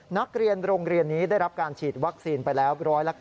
นักเรียนโรงเรียนนี้ได้รับการฉีดวัคซีนไปแล้ว๑๙